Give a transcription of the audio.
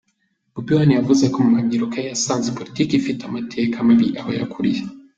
Bob Wine yavuze ko mu mabyiruka ye yasanze politiki ifite amateka mabi aho yakuriye.